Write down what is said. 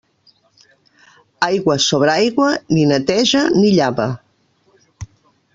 Aigua sobre aigua, ni neteja, ni llava.